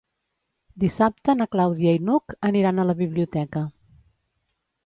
Dissabte na Clàudia i n'Hug aniran a la biblioteca.